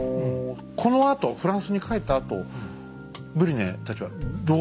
このあとフランスに帰ったあとブリュネたちはどうなったんですか？